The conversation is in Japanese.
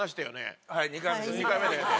はい２回目です。